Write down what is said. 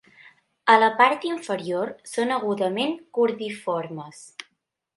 A la part inferior, són agudament cordiformes.